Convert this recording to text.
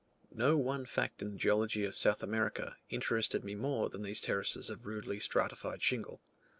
No one fact in the geology of South America, interested me more than these terraces of rudely stratified shingle.